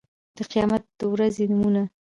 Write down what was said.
د قيامت د ورځې نومونه